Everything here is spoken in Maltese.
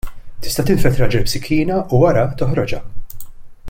Tista' tinfed raġel b'sikkina u, wara, toħroġha.